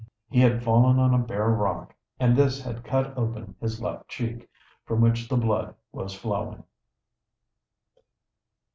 He had fallen on a bare rock, and this had cut open his left cheek, from which the blood was flowing.